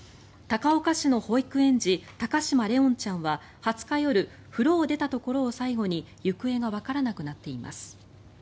高岡市の保育園児高嶋怜音ちゃんは２０日夜風呂を出たところを最後に行方がわからなくなっています。